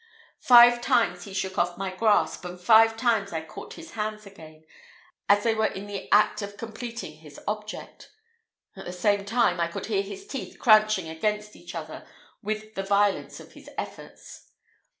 Five times he shook off my grasp, and five times I caught his hands again, as they were in the act of completing his object. At the same time, I could hear his teeth cranching against each other with the violence of his efforts.